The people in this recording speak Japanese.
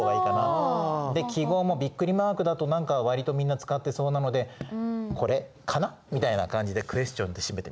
で記号もビックリマークだと何か割とみんな使ってそうなのでこれかなみたいな感じでクエスチョンで締めてみました。